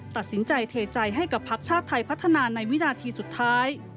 ตัดสินใจเทใจให้กับพักชาติไทยพัฒนาในวินาทีสุดท้าย